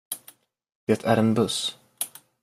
Det är en buss.